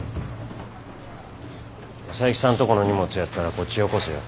佐伯さんとこの荷物やったらこっちよこせよ。